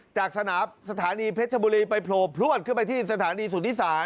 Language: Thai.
จากสนับสถานีเพชรบุรีไปโผล่พลวดขึ้นไปที่สถานีสุนิษศาล